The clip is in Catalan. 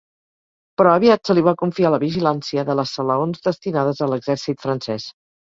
Però aviat se li va confiar la vigilància de les salaons destinades a l'exèrcit francès.